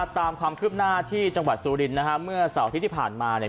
ตามความคืบหน้าที่จังหวัดสุรินทร์นะฮะเมื่อเสาร์อาทิตย์ที่ผ่านมาเนี่ย